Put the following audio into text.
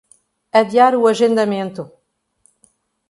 Adiar o agendamento